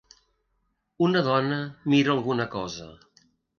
Una dona mira alguna cosa.